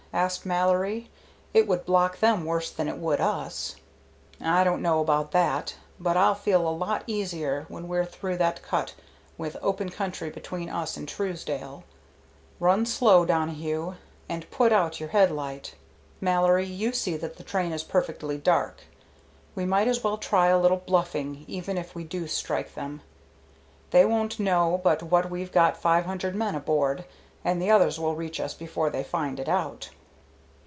asked Mallory. "It would block them worse than it would us." "I don't know about that, but I'll feel a lot easier when we're through that cut with open country between us and Truesdale. Run slow, Donohue, and put out your headlight. Mallory, you see that the train is perfectly dark. We might as well try a little bluffing even if we do strike them. They won't know but what we've got five hundred men aboard, and the others will reach us before they find it out."